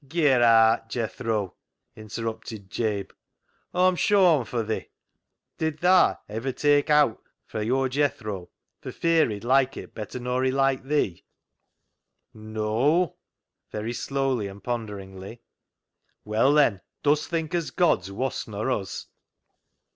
" Ger aat, Jethro," interrupted Jabe ;" Aw'm shawmed for thi. Did thaa iver tak' owt fra your Jethro for fear he'd like it better nor he liked thee?" " Neaw," very slowly and ponderingly. " Well then, dust think as God's woss nor us?"